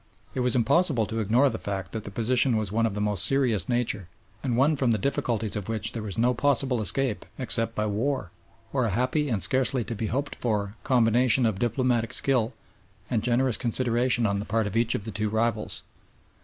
It was impossible to ignore the fact that the position was one of the most serious nature, and one from the difficulties of which there was no possible escape except by war or a happy and scarcely to be hoped for combination of diplomatic skill and generous consideration on the part of each of the two rivals.